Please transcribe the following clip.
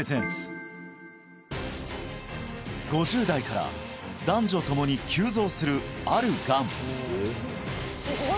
５０代から男女ともに急増するあるがん